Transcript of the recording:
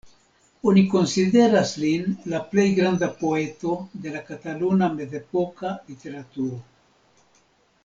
Oni konsideras lin la plej granda poeto de la kataluna mezepoka literaturo.